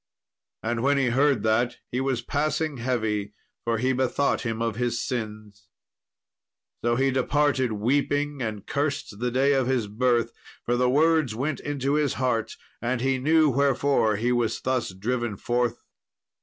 And when he heard that, he was passing heavy, for he bethought him of his sins. So he departed weeping, and cursed the day of his birth, for the words went into his heart, and he knew wherefore he was thus driven forth.